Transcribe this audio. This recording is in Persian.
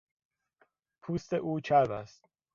پوست او چرب است.